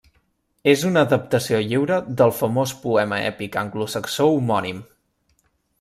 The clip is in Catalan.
És una adaptació lliure del famós poema èpic anglosaxó homònim.